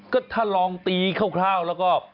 ก็ถ้าลองตีคร่าวแล้วก็